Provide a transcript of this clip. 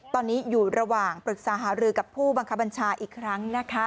ตอนนี้อยู่ระหว่างปรึกษาหารือกับผู้บังคับบัญชาอีกครั้งนะคะ